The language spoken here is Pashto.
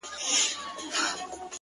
څڼور بیا سر پر زنگونو دی”